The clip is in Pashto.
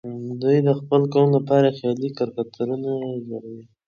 دوی د خپل قوم لپاره خيالي کرکټرونه جوړوي.